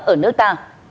ở nước ta